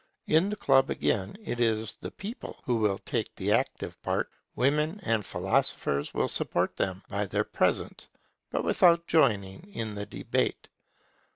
In the Club again it is the people who will take the active part; women and philosophers would support them by their presence, but without joining in the debate.